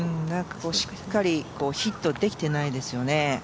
しっかりヒットできていないですよね。